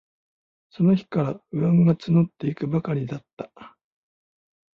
その日から、不安がつのっていくばかりだった。